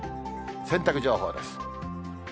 洗濯情報です。